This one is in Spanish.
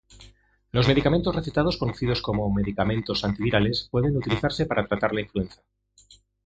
Los medicamentos recetados conocidos como medicamentos antivirales pueden utilizarse para tratar la influenza.